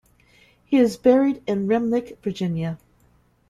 He is buried in Remlik, Virginia.